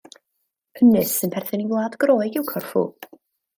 Ynys sy'n perthyn i wlad Groeg yw Corfu.